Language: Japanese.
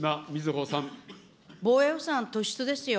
防衛予算突出ですよ。